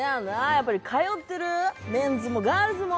やっぱり通ってるメンズもガールズも？